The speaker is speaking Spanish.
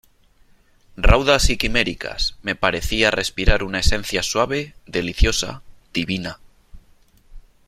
raudas y quiméricas , me parecía respirar una esencia suave , deliciosa , divina :